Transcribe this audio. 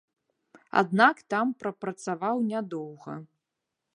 Аднак там прапрацаваў нядоўга.